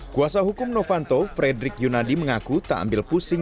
kuasa hukum novanto frederick yunadi mengaku tak ambil pusing